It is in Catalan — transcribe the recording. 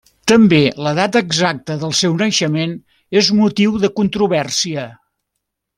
També la data exacta del seu naixement és motiu de controvèrsia.